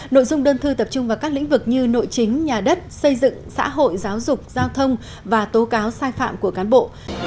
nội dung đơn thư tập trung vào các lĩnh vực như nội chính nhà đất xây dựng xã hội giáo dục giao thông và tố cáo sai phạm của cán bộ